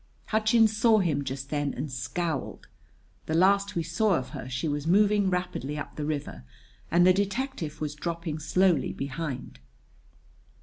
Hutchins saw him just then and scowled. The last we saw of her she was moving rapidly up the river and the detective was dropping slowly behind.